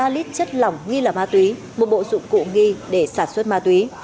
ba lít chất lỏng nghi là ma túy một bộ dụng cụ nghi để sản xuất ma túy